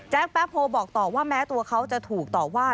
แป๊บโพลบอกต่อว่าแม้ตัวเขาจะถูกต่อว่า